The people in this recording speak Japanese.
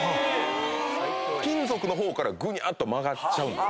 金属の方からぐにゃーっと曲がっちゃうんです。